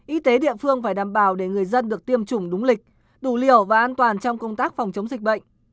y tế địa phương phải đảm bảo để người dân được tiêm chủng đúng lịch đủ liều và an toàn trong công tác phòng chống dịch bệnh